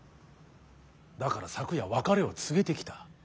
だから昨夜別れを告げてきた。